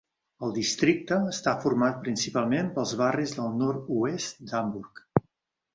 El districte està format principalment pels barris del nord-oest d'Hamburg.